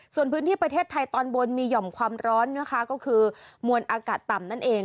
ส่วนพื้นที่ประเทศไทยตอนบนมีห่อมความร้อนนะคะก็คือมวลอากาศต่ำนั่นเอง